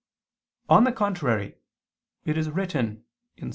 On the contrary, It is written (Ps.